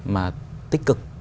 mà tích cực